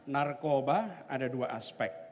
narkoba ada dua aspek